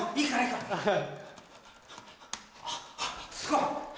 あっあっすごい！